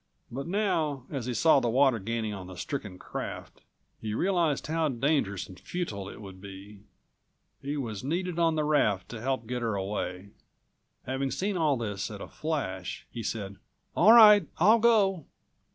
But now, as he saw the water gaining on the stricken craft, he realized how dangerous and futile it would be. He was needed on the raft to help215 get her away. Having seen all this at a flash he said: "All right; I'll go."